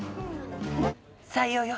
採用よ！